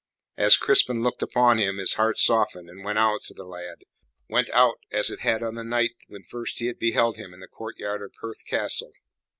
As Crispin looked upon him then, his heart softened and went out to the lad went out as it had done on the night when first he had beheld him in the courtyard of Perth Castle.